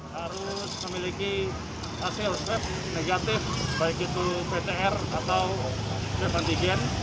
harus memiliki hasil sep negatif baik itu pcr atau sepantigen